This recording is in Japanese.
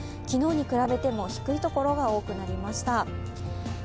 昨日に比べても低い所が多くなりました。